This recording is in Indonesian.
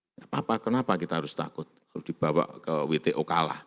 tidak apa apa kenapa kita harus takut kalau dibawa ke wto kalah